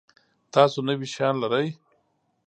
تاسو نوي شیان لرئ؟